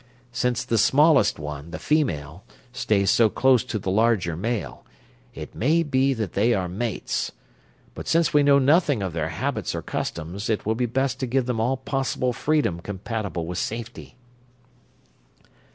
Since the smallest one, the female, stays so close to the larger male, it may be that they are mates. But since we know nothing of their habits or customs, it will be best to give them all possible freedom compatible with safety."